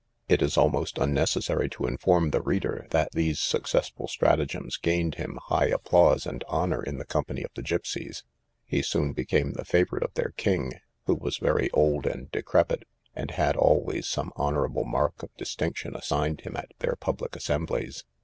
It is almost unnecessary to inform the reader, that these successful stratagems gained him high applause and honour in the company of the gipseys: he soon became the favourite of their king, who was very old and decrepid, and had always some honourable mark of distinction assigned him at their public assemblies.